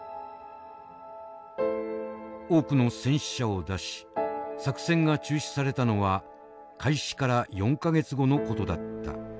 多くの戦死者を出し作戦が中止されたのは開始から４か月後の事だった。